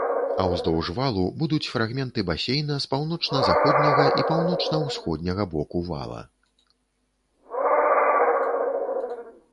А ўздоўж валу будуць фрагменты басейна з паўночна-заходняга і паўночна-ўсходняга боку вала.